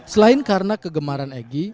selain karena kegemaran egy